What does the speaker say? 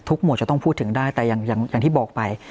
หมวดจะต้องพูดถึงได้แต่อย่างที่บอกไป